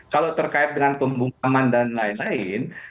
kalau terkait dengan pembukaan mandalan lain lain